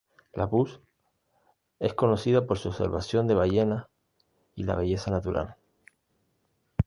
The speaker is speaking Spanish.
La Push es conocida por su observación de ballenas y la belleza natural.